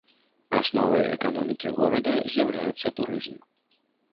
Асновай эканомікі горада з'яўляецца турызм.